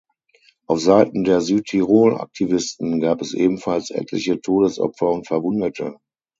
Auf Seiten der Südtirol-Aktivisten gab es ebenfalls etliche Todesopfer und Verwundete.